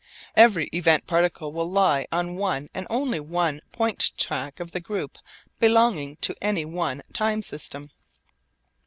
Every event particle will lie on one and only one point track of the group belonging to any one time system.